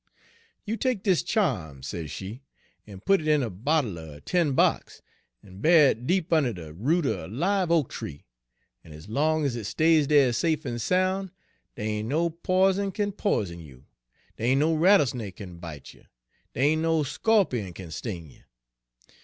" 'You take dis cha'm,' sez she, 'en put it in a bottle er a tin box, en bury it deep unner de root er a live oak tree, en ez long ez it stays dere safe en soun', dey ain' no p'isen kin p'isen you, dey ain' no rattlesnake kin bite you, dey ain' no sco'pion kin sting you.